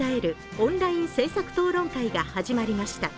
オンライン政策討論会が始まりました。